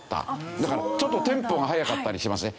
だからちょっとテンポが速かったりしますね。